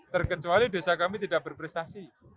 terkecuali desa kami tidak berprestasi